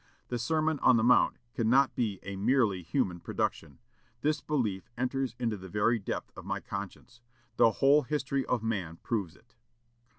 "The Sermon on the Mount cannot be a merely human production. This belief enters into the very depth of my conscience. The whole history of man proves it."